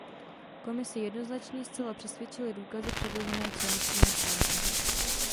Komisi jednoznačně zcela přesvědčily důkazy předložené členskými státy.